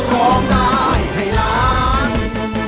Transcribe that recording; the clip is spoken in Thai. น้องตนน้องตา